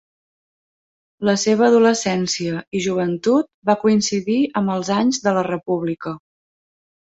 La seva adolescència i joventut va coincidir amb els anys de la República.